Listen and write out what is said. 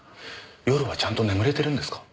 夜はちゃんと眠れてるんですか？